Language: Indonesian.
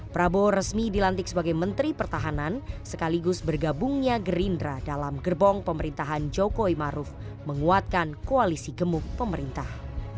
prabowo resmi dilantik sebagai menteri pertahanan sekaligus bergabungnya gerindra dalam gerbong pemerintahan jokowi maruf menguatkan koalisi gemuk pemerintah